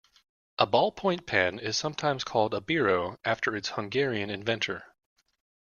A ballpoint pen is sometimes called a Biro, after its Hungarian inventor